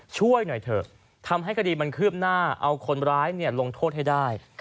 ช่วยหน่อยเถอะทำให้คดีมันคืบหน้าเอาคนร้ายลงโทษให้ได้